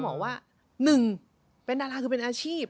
หมอว่าหนึ่งเป็นดาราคือเป็นอาชีพ